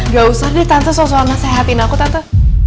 gak usah deh tante soal soal nasehatin aku tante